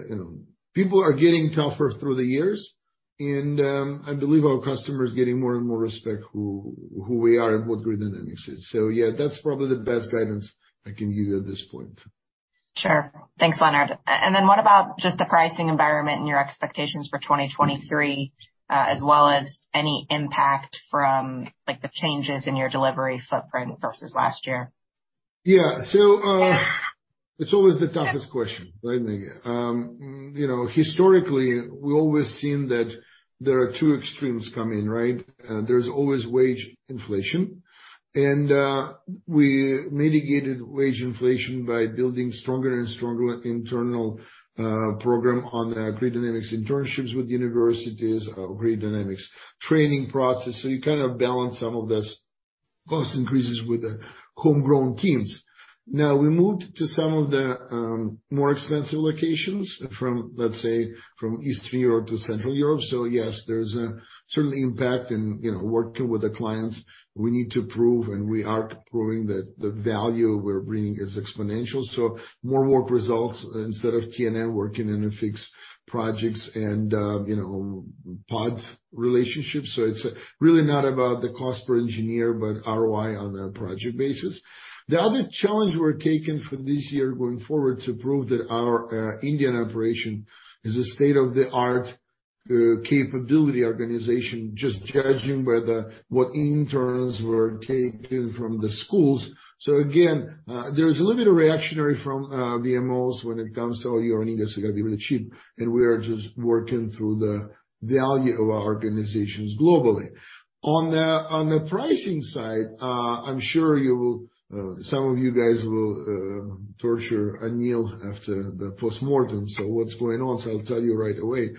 You know, people are getting tougher through the years. I believe our customers are getting more and more respect who we are and what Grid Dynamics is. Yeah, that's probably the best guidance I can give you at this point. Sure. Thanks, Leonard. Then what about just the pricing environment and your expectations for 2023, as well as any impact from, like, the changes in your delivery footprint versus last year? Yeah. It's always the toughest question, right, Maggie You know, historically we've always seen that there are two extremes coming, right? There's always wage inflation. We mitigated wage inflation by building stronger and stronger internal program on Grid Dynamics internships with universities, Grid Dynamics training process. You kind of balance some of this cost increases with the homegrown teams. Now, we moved to some of the more expensive locations from, let's say, from Eastern Europe to Central Europe. Yes, there's a certainly impact in, you know, working with the clients. We need to prove, and we are proving that the value we're bringing is exponential. More work results instead of T&M working in a fixed projects and, you know, pod relationships. It's really not about the cost per engineer, but ROI on a project basis. The other challenge we're taking for this year going forward to prove that our Indian operation is a state-of-the-art capability organization, just judging by the, what interns we're taking from the schools. Again, there is a little bit of reactionary from VMOs when it comes to, oh, you're in India, so you're gonna be really cheap, and we are just working through the value of our organizations globally. On the, on the pricing side, I'm sure you will, some of you guys will, torture Anil after the postmortem, so what's going on, so I'll tell you right away.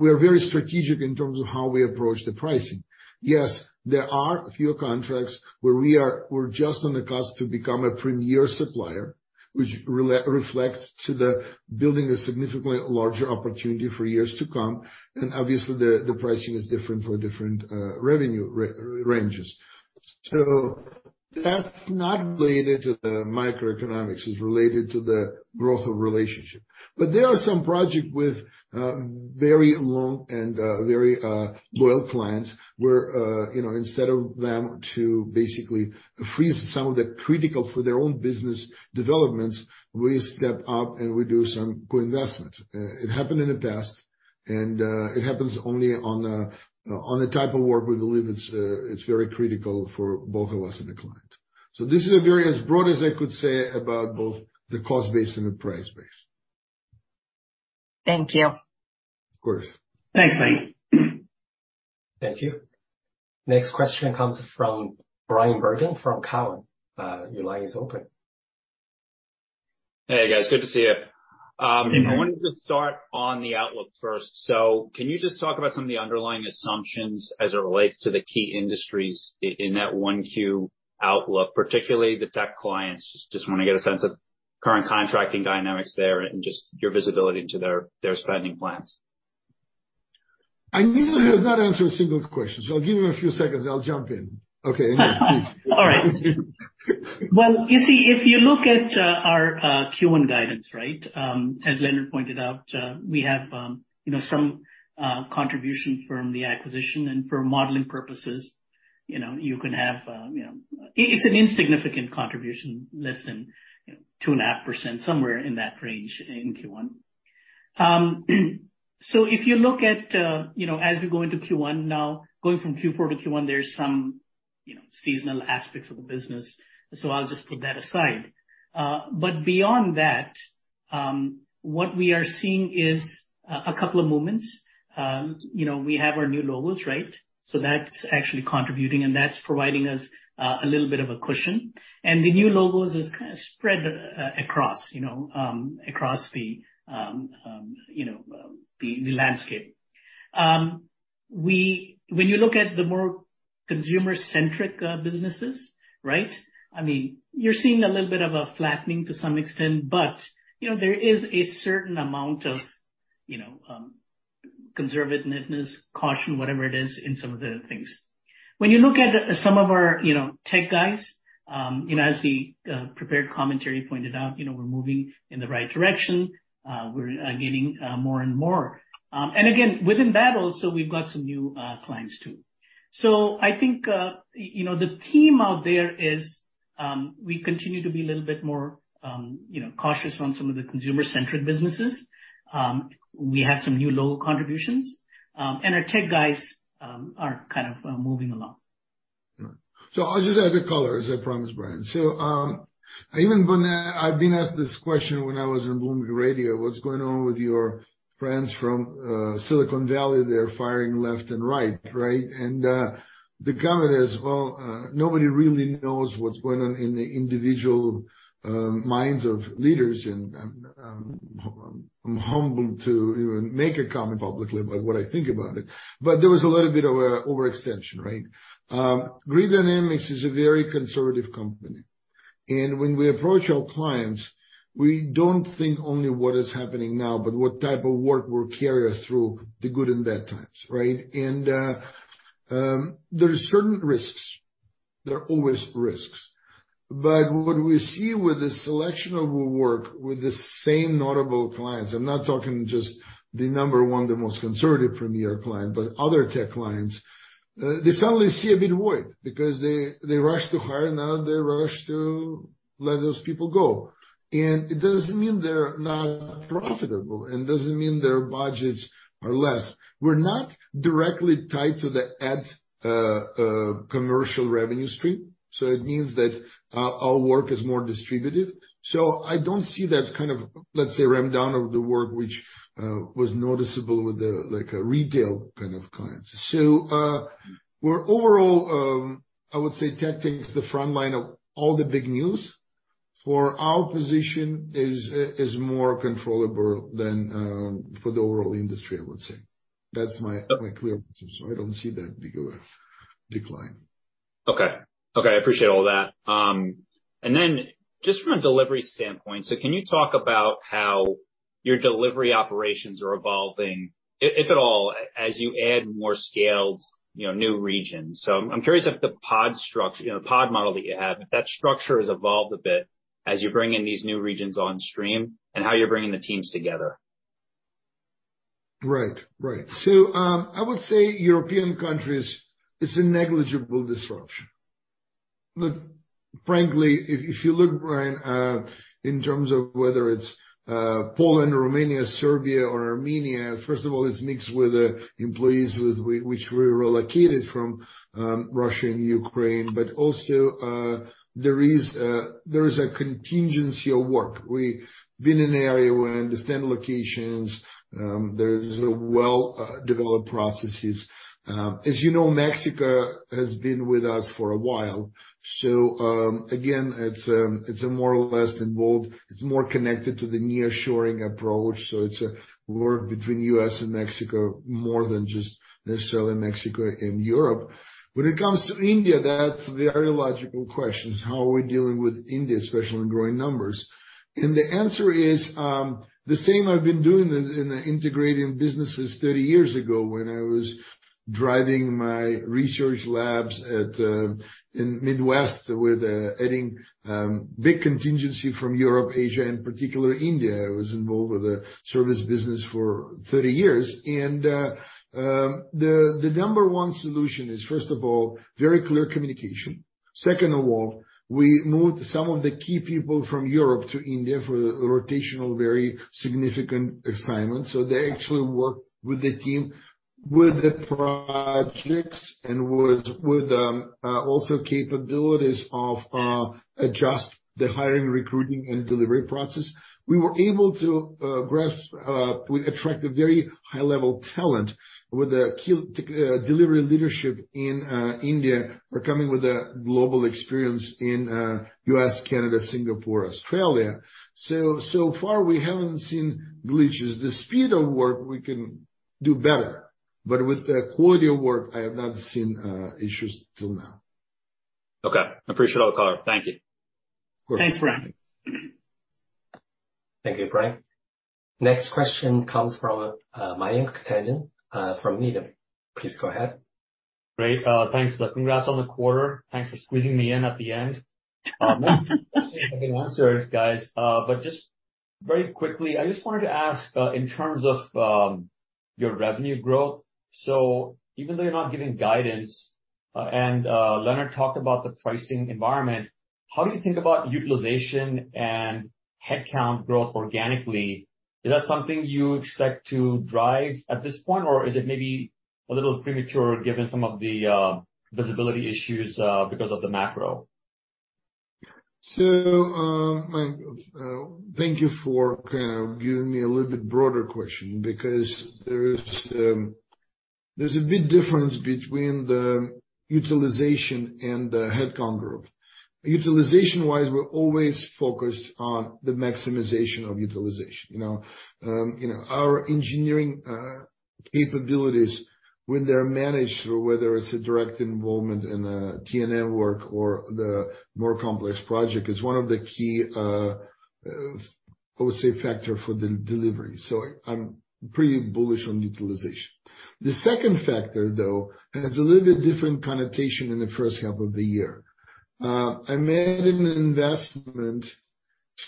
We are very strategic in terms of how we approach the pricing. Yes, there are a few contracts where we're just on the cusp to become a premier supplier, which reflects to the building a significantly larger opportunity for years to come, and obviously the pricing is different for different revenue ranges. That's not related to the microeconomics, it's related to the growth of relationship. There are some project with very long and very loyal clients where, you know, instead of them to basically freeze some of the critical for their own business developments, we step up, and we do some co-investment. It happened in the past, and it happens only on the type of work we believe it's very critical for both of us and the client. This is a very as broad as I could say about both the cost base and the price base. Thank you. Of course. Thanks, Maggie. Thank you. Next question comes from Bryan Bergin from Cowen. Your line is open. Hey, guys. Good to see you. I wanted to start on the outlook first. Can you just talk about some of the underlying assumptions as it relates to the key industries in that 1Q outlook, particularly the tech clients. Just wanna get a sense of current contracting dynamics there and your visibility into their spending plans. Anil has not answered a single question, so I'll give him a few seconds, I'll jump in. Okay. Anil, please. All right. Well, you see, if you look at our Q1 guidance, right? As Leonard pointed out, we have, you know, some contribution from the acquisition and for modeling purposes, you know, you can have, you know, it's an insignificant contribution, less than 2.5%, somewhere in that range in Q1. If you look at, you know, as we go into Q1 now, going from Q4 to Q1, there's some, you know, seasonal aspects of the business, I'll just put that aside. Beyond that, what we are seeing is a couple of movements. You know, we have our new logos, right? That's actually contributing, and that's providing us a little bit of a cushion. The new logos is kinda spread across, you know, across the, you know, the landscape. When you look at the more consumer-centric businesses, right? I mean, you're seeing a little bit of a flattening to some extent, but, you know, there is a certain amount of, you know, conservativeness, caution, whatever it is, in some of the things. When you look at some of our, you know, tech guys, you know, as the prepared commentary pointed out, you know, we're moving in the right direction. We're gaining more and more. Again, within that also, we've got some new clients too. I think, you know, the theme out there is, we continue to be a little bit more, you know, cautious on some of the consumer-centric businesses. We have some new logo contributions. Our tech guys are kind of moving along. I'll just add the color as I promised, Bryan. Even when I've been asked this question when I was on Bloomberg Radio, "What's going on with your friends from Silicon Valley? They're firing left and right," right? The comment is, well, nobody really knows what's going on in the individual minds of leaders. I'm humbled to even make a comment publicly about what I think about it. There was a little bit of overextension, right? Grid Dynamics is a very conservative company. When we approach our clients, we don't think only what is happening now, but what type of work will carry us through the good and bad times, right? There are certain risks. There are always risks. What we see with the selection of our work, with the same notable clients. I'm not talking just the number one, the most conservative premier client, but other tech clients. They suddenly see a bit void because they rush to hire, now they rush to let those people go. It doesn't mean they're not profitable, and it doesn't mean their budgets are less. We're not directly tied to the ad commercial revenue stream. It means that our work is more distributed. I don't see that kind of, let's say, ramp down of the work which was noticeable with the, like, retail kind of clients. We're overall, I would say tech takes the front line of all the big news. For our position is more controllable than for the overall industry, I would say. That's my clear position, so I don't see that big of a decline. Okay, I appreciate all that. Just from a delivery standpoint, can you talk about how your delivery operations are evolving, if at all, as you add more scaled, you know, new regions? I'm curious if the you know, pod model that you have, if that structure has evolved a bit as you bring in these new regions on stream and how you're bringing the teams together. Right. Right. I would say European countries is a negligible disruption. Look, frankly, if you look, Bryan, in terms of whether it's Poland, Romania, Serbia, or Armenia, first of all, it's mixed with the employees with which we relocated from Russia and Ukraine. Also, there is a contingency of work. We've been in an area where understand locations, there's a well developed processes. As you know, Mexico has been with us for a while. Again, it's a more or less involved. It's more connected to the nearshoring approach, so it's a work between US and Mexico more than just necessarily Mexico and Europe. When it comes to India, that's very logical questions. How are we dealing with India, especially in growing numbers? The answer is, the same I've been doing this in the integrating businesses 30 years ago when I was driving my research labs at in Midwest with adding big contingency from Europe, Asia, and particularly India. I was involved with the service business for 30 years. The number one solution is, first of all, very clear communication. Second of all, we moved some of the key people from Europe to India for the rotational very significant assignments. They actually work with the team, with the projects and with, also capabilities of adjust the hiring, recruiting, and delivery process. We were able to grasp, we attract a very high-level talent with the key delivery leadership in India, are coming with a global experience in US, Canada, Singapore, Australia. So far we haven't seen glitches. The speed of work we can do better, but with the quality of work, I have not seen issues till now. Okay. I appreciate all the color. Thank you. Thanks, Bryan. Thank you, Bryan. Next question comes from Mayank Tandon from Needham. Please go ahead. Great. Thanks. Congrats on the quarter. Thanks for squeezing me in at the end. Not actually getting answers, guys. Just very quickly, I just wanted to ask, in terms of your revenue growth. Even though you're not giving guidance, and Leonard talked about the pricing environment, how do you think about utilization and headcount growth organically? Is that something you expect to drive at this point, or is it maybe a little premature given some of the visibility issues because of the macro? Mayank, thank you for kind of giving me a little bit broader question because there's a big difference between the utilization and the headcount growth. Utilization-wise, we're always focused on the maximization of utilization. You know, you know, our engineering capabilities when they're managed, whether it's a direct involvement in a T&M work or the more complex project, is one of the key, I would say, factor for the delivery. I'm pretty bullish on utilization. The second factor, though, has a little bit different connotation in the first half of the year. I made an investment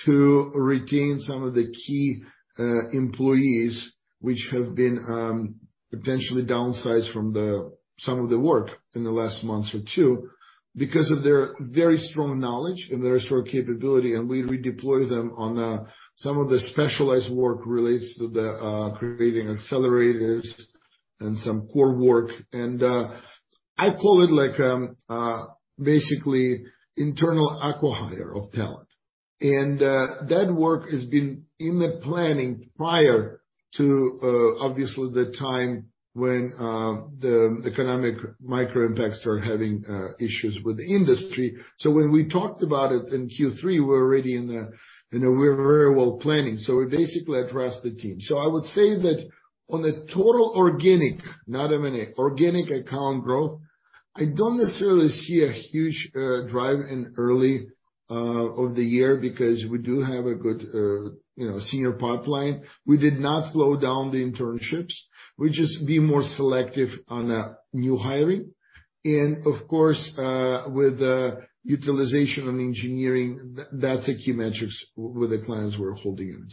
to retain some of the key employees which have been potentially downsized from the, some of the work in the last month or two because of their very strong knowledge and their strong capability, and we deploy them on some of the specialized work related to the creating accelerators and some core work. I call it like basically internal acquihire of talent. That work has been in the planning prior to obviously the time when the economic micro impacts started having issues with the industry. When we talked about it in Q3, we're already in the, you know, we were very well planning, so we basically addressed the team. I would say that on the total organic, not M&A, organic account growth, I don't necessarily see a huge drive in early of the year because we do have a good, you know, senior pipeline. We did not slow down the internships. We just be more selective on the new hiring. Of course, with the utilization on engineering, that's a key metrics with the clients we're holding in.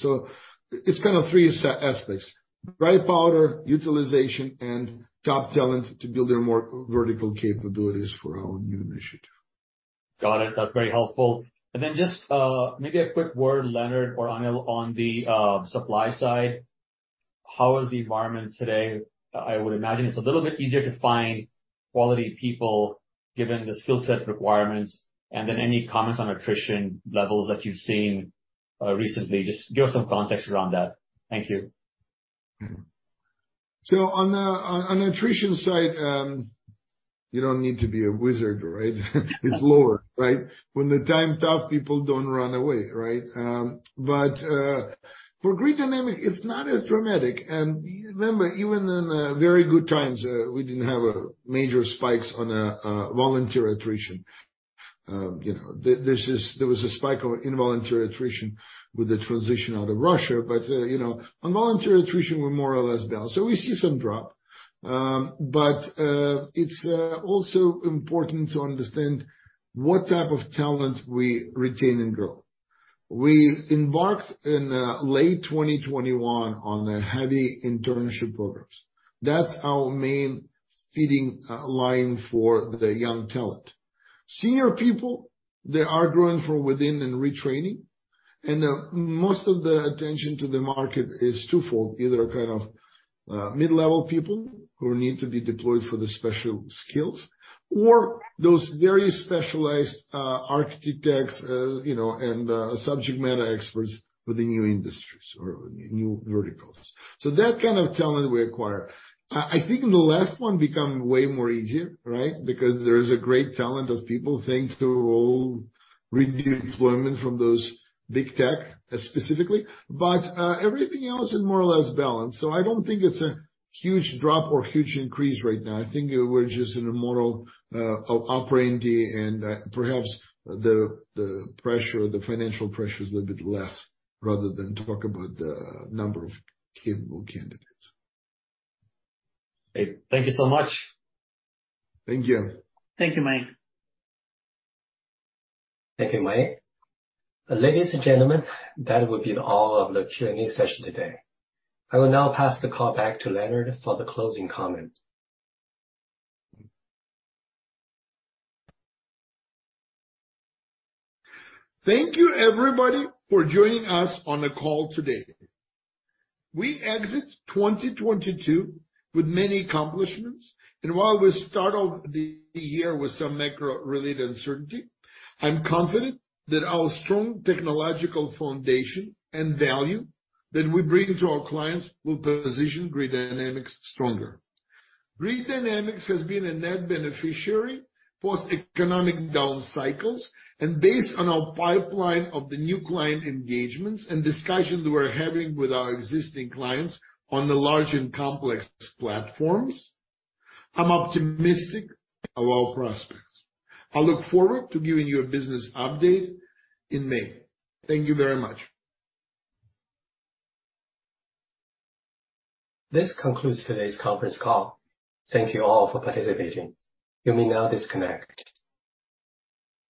It's kind of three aspects. Dry powder utilization and top talent to build their more vertical capabilities for our new initiative. Got it. That's very helpful. Just maybe a quick word, Leonard or Anil, on the supply side, how is the environment today? I would imagine it's a little bit easier to find quality people given the skill set requirements. Any comments on attrition levels that you've seen recently. Just give us some context around that. Thank you. On the attrition side, you don't need to be a wizard, right? It's lower, right? When the time's tough, people don't run away, right? For Grid Dynamics, it's not as dramatic. Remember, even in very good times, we didn't have major spikes on volunteer attrition. You know, there was a spike of involuntary attrition with the transition out of Russia. You know, on voluntary attrition, we're more or less balanced. We see some drop. It's also important to understand what type of talent we retain and grow. We embarked in late 2021 on the heavy internship programs. That's our main feeding line for the young talent. Senior people, they are growing from within and retraining. Most of the attention to the market is twofold. Either kind of mid-level people who need to be deployed for the special skills or those very specialized architects, you know, and subject matter experts for the new industries or new verticals. That kind of talent we acquire. I think in the last one become way more easier, right? Because there is a great talent of people, thanks to all redeployment from those big tech specifically. Everything else is more or less balanced, so I don't think it's a huge drop or huge increase right now. I think we're just in a model of operating, and perhaps the pressure, the financial pressure is a little bit less, rather than talk about the number of capable candidates. Great. Thank you so much. Thank you. Thank you, Mayank. Thank you, Mayank. Ladies and gentlemen, that would be all of the Q&A session today. I will now pass the call back to Leonard for the closing comment. Thank you everybody for joining us on the call today. We exit 2022 with many accomplishments. While we started the year with some macro-related uncertainty, I'm confident that our strong technological foundation and value that we bring to our clients will position Grid Dynamics stronger. Grid Dynamics has been a net beneficiary post economic down cycles. Based on our pipeline of the new client engagements and discussions we're having with our existing clients on the large and complex platforms, I'm optimistic of our prospects. I look forward to giving you a business update in May. Thank you very much. This concludes today's conference call. Thank you all for participating. You may now disconnect.